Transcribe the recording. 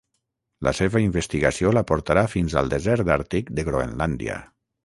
La seva investigació la portarà fins al desert Àrtic de Groenlàndia.